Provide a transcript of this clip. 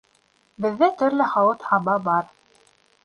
Беҙҙә төрлө һауыт-һаба бар